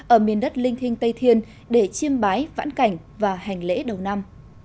ở miền đất linh thiên tây thiên để chiêm bái vãn cảnh và hành lễ đầu năm